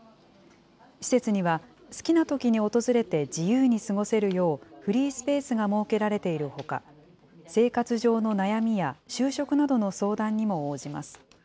施設には好きなときに訪れて自由に過ごせるよう、フリースペースが設けられているほか、生活上の悩みや就職などの相談にも応じます。